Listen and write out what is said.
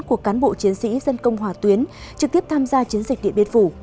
của cán bộ chiến sĩ dân công hòa tuyến trực tiếp tham gia chiến dịch điện biên phủ